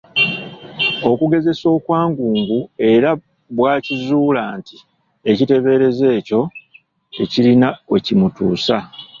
Okugezesa okwangungu era bw’akizuula nti ekiteeberezo ekyo tekirina we kimutuusa.